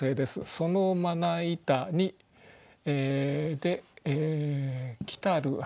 「そのまな板に来たる蠅」。